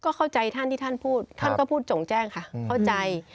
ก็เข้าใจท่านที่ท่านพูดท่านก็พูดจงแจ้งค่ะเข้าใจ